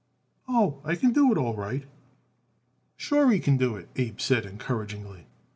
"Oh, I can do it all right." "Sure he can do it," Abe said encouragingly.